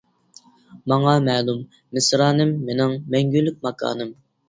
ماڭا مەلۇم، مىسرانىم مىنىڭ مەڭگۈلۈك ماكانىم!